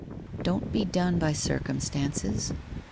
Don't be done by circumstances.